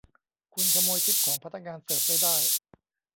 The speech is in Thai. คุณขโมยทิปของพนักงานเสิร์ฟไม่ได้ !